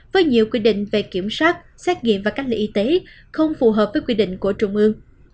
với nhiều quy định về kiểm soát xét nghiệm và cách ly y tế không phù hợp với quy định của trung ương